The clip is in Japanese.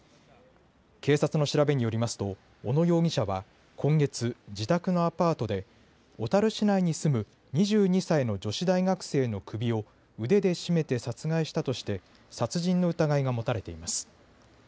警察の調べによりますと小野容疑者は今月、自宅のアパートで小樽市内に住む２２歳の女子大学生の首を腕で絞めて殺害したとして殺人の疑いが持たれています。